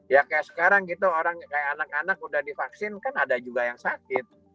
ya kayak sekarang gitu orang kayak anak anak udah divaksin kan ada juga yang sakit